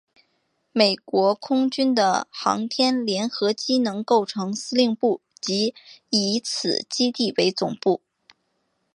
美国空军的航天联合机能构成司令部即以此基地为总部。